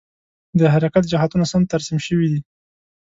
د حرکت جهتونه سم ترسیم شوي دي؟